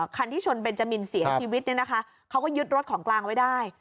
คันที่ชนเบนจามินเสียชีวิตเนี่ยนะคะเขาก็ยึดรถของกลางไว้ได้